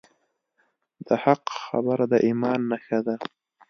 د حق خبره د ایمان نښه ده.